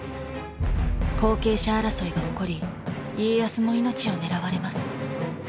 後継者争いが起こり家康も命を狙われます。